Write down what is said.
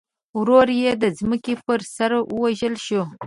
ورور یې د ځمکې پر سر ووژل شو.